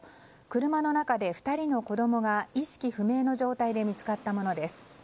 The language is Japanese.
車の中で２人の子供が意識不明の状態で見つかったものです。